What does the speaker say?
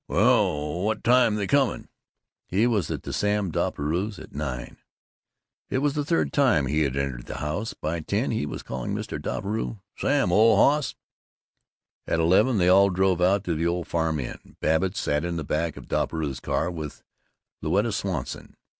"Well What time they coming?" He was at Sam Doppelbrau's at nine. It was the third time he had entered the house. By ten he was calling Mr. Doppelbrau "Sam, old hoss." At eleven they all drove out to the Old Farm Inn. Babbitt sat in the back of Doppelbrau's car with Louetta Swanson.